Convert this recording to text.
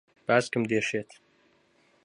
باسکم دێشێت.